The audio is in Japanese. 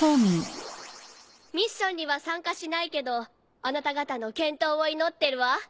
ミッションには参加しないけどあなた方の健闘を祈ってるわ。